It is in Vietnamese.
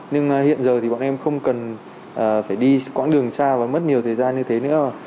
nhưng hiện giờ thì bọn em không cần phải đi quãng đường xa và mất nhiều thời gian như thế nữa